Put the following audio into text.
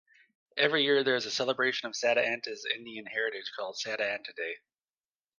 Every year there is a celebration of Satanta's Indian heritage called Satanta Day.